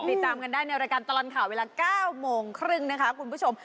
ติดตามกันได้ในรายการตลอดข่าวเวลา๙โมงครึ่งนะคะคุณผู้ชม